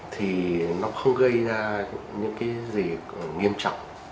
thì nó không gây ra những cái gì nghiêm trọng